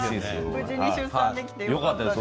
無事に出産できてよかったです。